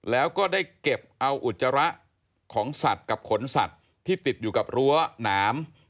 แล้วก็ได้เก็บเอาอุจจาระของสัตว์กับขนสัตว์ที่ติดอยู่กับรั้วหนาม